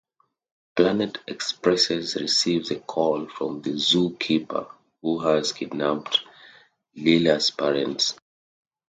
Planet Express receives a call from the Zookeeper, who has kidnapped Leela's parents.